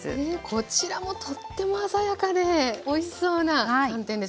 こちらもとっても鮮やかでおいしそうな寒天ですね。